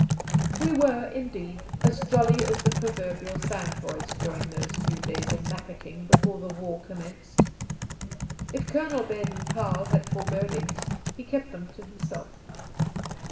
We were, indeed, as jolly as the proverbial sandboys during those few days in Mafeking before the war commenced. If Colonel Baden Powell had forebodings, he kept them to himself.